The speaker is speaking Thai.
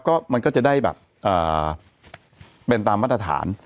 ก็มันก็จะได้แบบเป็นตามมาตรฐาน